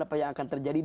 apa yang akan terjadi